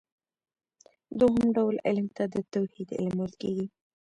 دوهم ډول علم ته د توحيد علم ويل کېږي .